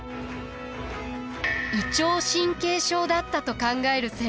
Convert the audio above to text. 胃腸神経症だったと考える専門家も。